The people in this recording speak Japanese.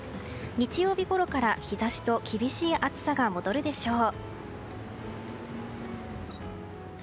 日曜日ごろから日差しと厳しい暑さが戻るでしょう。